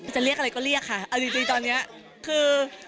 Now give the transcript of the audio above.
จะเรียกอะไรก็เรียกค่ะเอาจริงตอนนี้คือ